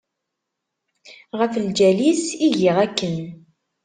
Ɣef lǧal-is i giɣ akken.